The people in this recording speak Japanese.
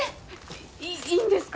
いいんですか？